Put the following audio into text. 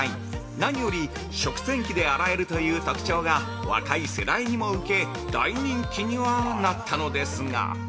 何より食洗機で洗えるという特徴が若い世代にも受け、大人気にはなったのですが。